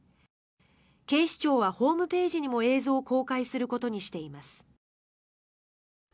警視庁はホームページにも映像を公開することにしています。